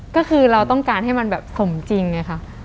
ก็คือเราต้องการให้มันแบบสมจริงไงค่ะ